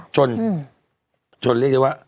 จนเรียกได้ว่า